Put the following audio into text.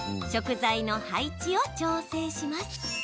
食材の配置を調整します。